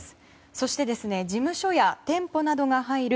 そして、事務所や店舗などが入る